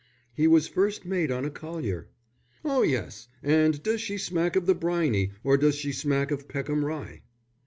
"He was first mate on a collier." "Oh, yes. And does she smack of the briny or does she smack of Peckham Rye?"